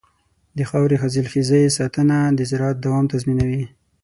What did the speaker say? د خاورې حاصلخېزۍ ساتنه د زراعت دوام تضمینوي.